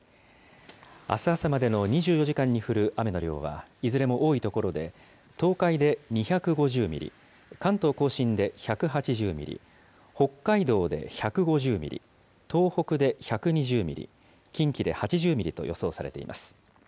あす朝までの２４時間に降る雨の量は、いずれも多い所で、東海で２５０ミリ、関東甲信で１８０ミリ、北海道で１５０ミリ、東北で１２０ミリ、近畿で８０ミリと予想されています。